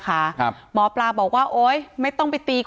การแก้เคล็ดบางอย่างแค่นั้นเอง